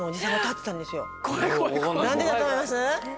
何でだと思います？